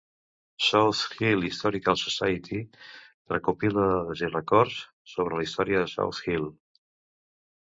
South Hill Historical Society recopila dades i records sobre la història de South Hill.